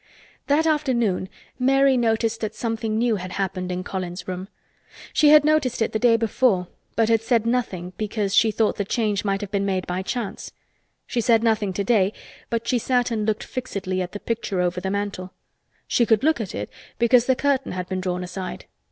That afternoon Mary noticed that something new had happened in Colin's room. She had noticed it the day before but had said nothing because she thought the change might have been made by chance. She said nothing today but she sat and looked fixedly at the picture over the mantel. She could look at it because the curtain had been drawn aside.